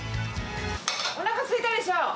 おなかすいたでしょ？